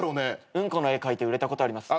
うんこの絵描いて売れたことあります。